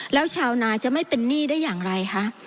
แล้วชาวนาจะไม่เป็นหนี้ได้อย่างไรคะ